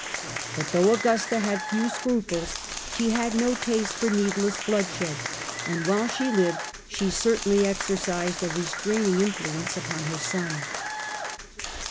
But though Augusta had few scruples she had no taste for needless bloodshed, and while she lived she certainly exercised a restraining influence upon her son.